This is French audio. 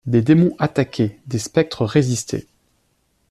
Des démons attaquaient, des spectres résistaient.